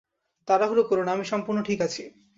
তাড়াহুড়ো করোনা, আমি সম্পূর্ণ ঠিক আছি।